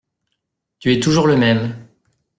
Tu es toujours le même.